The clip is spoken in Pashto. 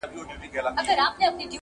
که را مخ زما پر لور هغه صنم کا,